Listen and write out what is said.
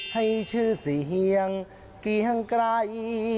ให้ชื่อเสียงเกียงไกล